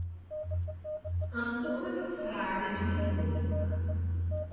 Antônio Fraga de Mendonca